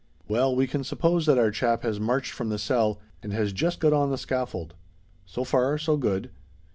"Well, we can suppose that our chap has marched from the cell, and has just got on the scaffold. So far, so good.